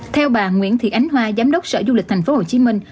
theo bà nguyễn thị ánh hoa giám đốc sở du lịch thành phố hồ chí minh